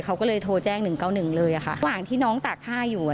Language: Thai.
เขาก็เลยโทรแจ้งหนึ่งเก้าหนึ่งเลยอ่ะค่ะต่างที่น้องตากผ้าอยู่อ่ะ